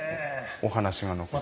お話が残って。